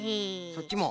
そっちも。